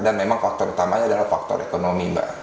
dan memang faktor utamanya adalah faktor ekonomi